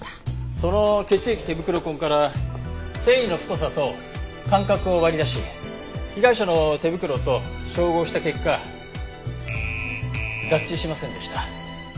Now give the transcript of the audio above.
その血液手袋痕から繊維の太さと間隔を割り出し被害者の手袋と照合した結果合致しませんでした。